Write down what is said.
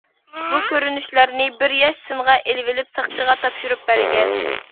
بۇ كۆرۈنۈشلەرنى بىر ياش سىنغا ئېلىۋېلىپ ساقچىغا تاپشۇرۇپ بەرگەن.